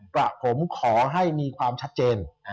กระผมขอให้มีความชัดเจน